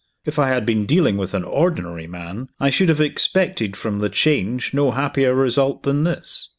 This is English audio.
If I had been dealing with an ordinary man, I should have expected from the change no happier result than this.